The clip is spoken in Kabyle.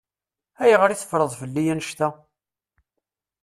Ayɣer i teffreḍ fell-i annect-a?